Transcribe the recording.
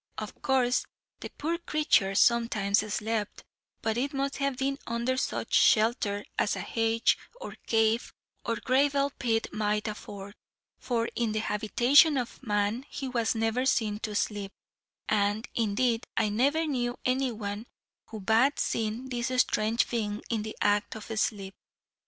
Of course the poor creature sometimes slept, but it must have been under such shelter as a hedge, or cave, or gravel pit might afford, for in the habitation of man he was never seen to sleep; and, indeed, I never knew any one who bad seen this strange being in the act of sleep.